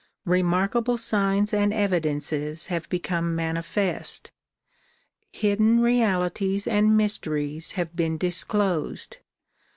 Remarkable signs and evidences have become manifest. Hidden realities and mysteries have been dis closed.